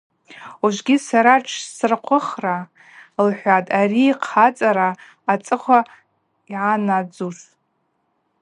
Ужвыгьи сара дшсырхъвыхра, – лхӏватӏ, — ари йхъацӏара ацӏыхъва ъанадзуш.